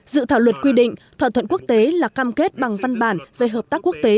dự thảo luật quy định thỏa thuận quốc tế là cam kết bằng văn bản về hợp tác quốc tế